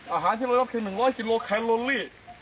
อาหารที่เรารับใน๑๐๐กิโลไทน์คาโลลี